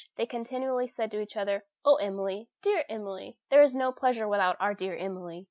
They continually said to each other, "Oh, Emily! dear Emily! there is no pleasure without our dear Emily!"